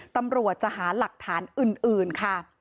ตำรวจจะหาหลักฐานอื่นค่ะ